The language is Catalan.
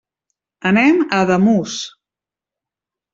Anem a Ademús.